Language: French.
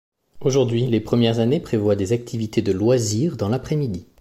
Aujourd'hui, les premières années prévoient des activités de loisir dans l’après-midi.